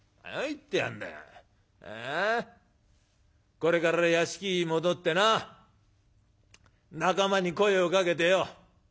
これから屋敷に戻ってな仲間に声をかけてよ